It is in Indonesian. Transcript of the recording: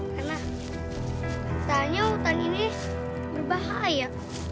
karena katanya hutan ini berbahaya